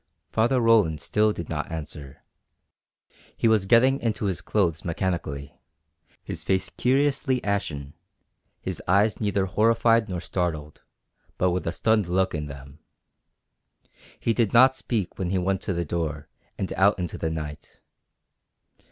Father Roland still did not answer. He was getting into his clothes mechanically, his face curiously ashen, his eyes neither horrified nor startled, but with a stunned look in them. He did not speak when he went to the door and out into the night.